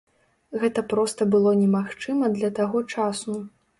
Гэта проста было немагчыма для таго часу.